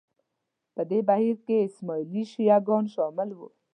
په دې بهیر کې اسماعیلي شیعه ګان شامل وو